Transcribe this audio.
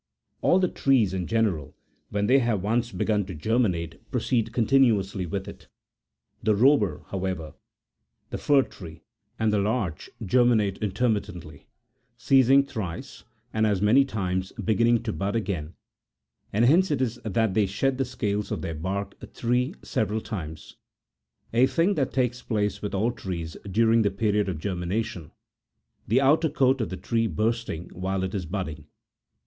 All the trees in general, when they have once begun to germinate, proceed continuously with it; the robur, however, the fir tree, and the larch germinate intermittently, ceasing thrice, and as many times86 beginning to bud again, and hence it is that they shed the scales of their bark87 three several times ; a thing that takes place with all trees during the period of germina tion, the outer coat of the tree bursting while it is budding.